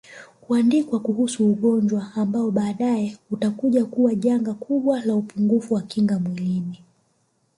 kuandikwa kuhusu ugonjwa ambao baadae utakuja kuwa janga kubwa la upungufu wa kinga mwilini